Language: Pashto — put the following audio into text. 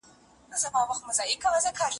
که پښتو ادب ژوندی وي نو ارزښتونه نه ورکيږي.